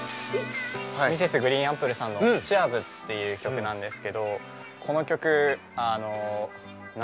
Ｍｒｓ．ＧＲＥＥＮＡＰＰＬＥさんの「ＣＨＥＥＲＳ」っていう曲なんですけどこの曲何ですかね